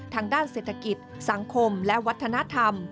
ทางด้านเศรษฐกิจสังคมและวัฒนธรรม